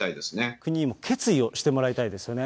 国にも決意をしてもらいたいですよね。